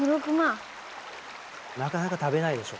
なかなか食べないでしょ？